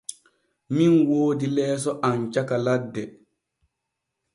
Min woodi leeso am caka ladde.